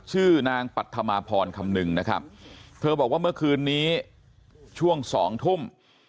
ชื่อนางปัธมาพรคำนึงนะครับเธอบอกว่าเมื่อคืนนี้ช่วงสองทุ่ม